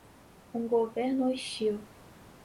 um governo hostil